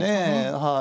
はい。